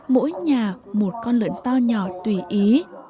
mỗi nhà một con lợn to nhỏ tùy ý